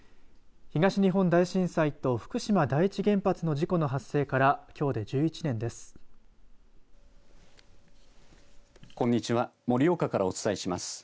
東日本大震災と福島第一原発の事故の発生からきょうで１１年です。